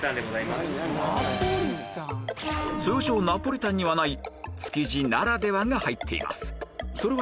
通常ナポリタンにはない築地ならではが入っています